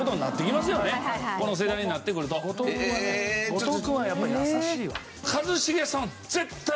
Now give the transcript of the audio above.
後藤君はやっぱり優しいわ。